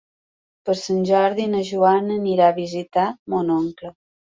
Per Sant Jordi na Joana anirà a visitar mon oncle.